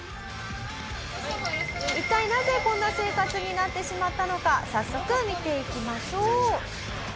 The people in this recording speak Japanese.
一体なぜこんな生活になってしまったのか早速見ていきましょう。